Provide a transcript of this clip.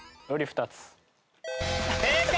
正解！